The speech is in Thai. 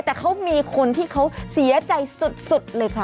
แต่เขามีคนที่เขาเสียใจสุดเลยค่ะ